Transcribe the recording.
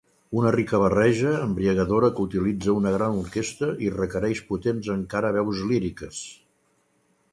Una rica barreja, embriagadora que utilitza una gran orquestra i requereix potents encara veus líriques.